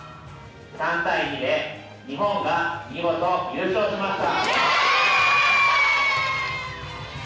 ３対２で日本が見事優勝しました。